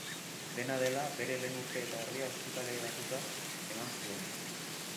Dena dela, bere lehen urte eta erdia ospitaleratuta eman zuen.